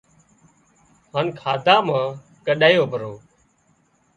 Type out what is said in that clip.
هانَ کاڌا مان ڳڏايو پرو